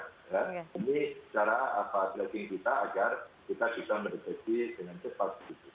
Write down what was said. ini cara tracking kita agar kita bisa melakukan